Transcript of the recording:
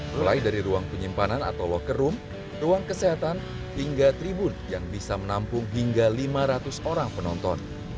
mulai dari ruang penyimpanan atau locker room ruang kesehatan hingga tribun yang bisa menampung hingga lima ratus orang penonton